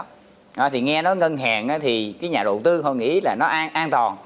nó thì nghe nó ngân hàng thì cái nhà đầu tư không nghĩ là nó an an toàn